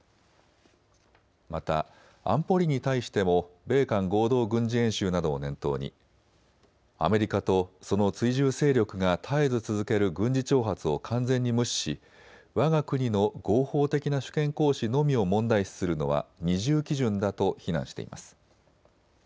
また安保理に対しても米韓合同軍事演習などを念頭にアメリカとその追従勢力が絶えず続ける軍事挑発を完全に無視しわが国の合法的な主権行使のみを問題視するのは二重基準だと非難しています。